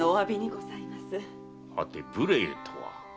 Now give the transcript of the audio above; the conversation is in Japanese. はて「無礼」とは？